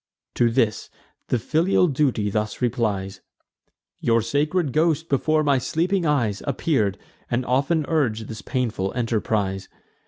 To this, the filial duty thus replies: "Your sacred ghost before my sleeping eyes Appear'd, and often urg'd this painful enterprise.